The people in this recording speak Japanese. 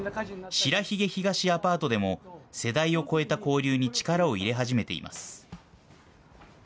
白鬚東アパートでも、世代を超えた交流に力を入れ始めています。